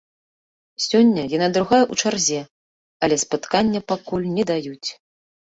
Сёння яна другая ў чарзе, але спаткання пакуль не даюць.